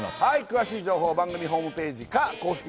詳しい情報番組ホームページか公式